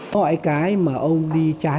nói cái mà ông đi trái